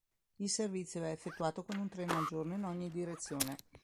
Il servizio è effettuato con un treno al giorno in ogni direzione.